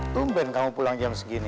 tumben kamu pulang jam segini